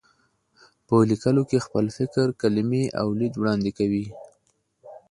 په لیکلو کې خپل فکر، کلمې او لید وړاندې کوي.